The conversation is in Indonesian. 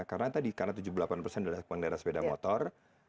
karena tadi karena tujuh puluh delapan persen adalah pengendara sepeda motor